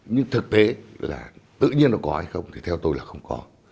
nhưng thực tế là tự nhiên nó có hay không thì theo tôi là không có